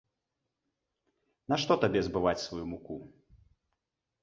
Нашто табе збываць сваю муку?